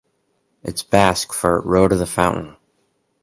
It is Basque for "Road of the fountain".